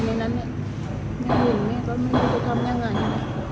แม่เห็นแม่ก็ไม่รู้จะทำยังไง